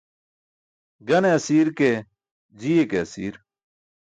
Gane asi̇r ke, ji̇iye ke asi̇r.